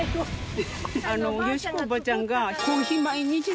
好子おばあちゃんが。